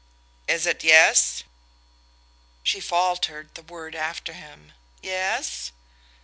"Is it yes?" She faltered the word after him: "Yes